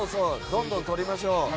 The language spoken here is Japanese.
どんどん撮りましょう。